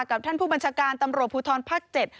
กับท่านผู้บัญชาการตำรวจภูทรภักดิ์๗